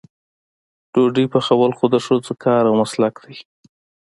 ډوډۍ پخول خو د ښځو کار او مسلک دی.